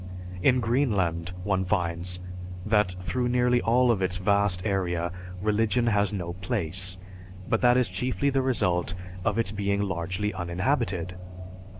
In Greenland, one finds, that through nearly all of its vast area religion has no place, but that is chiefly the result of its being largely uninhabited.